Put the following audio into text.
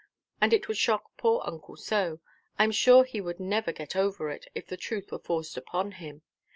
And it would shock poor uncle so; I am sure he would never get over it if the truth were forced upon him.